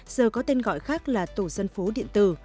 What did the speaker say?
giờ có tên gọi khác là tổ dân phố điện tử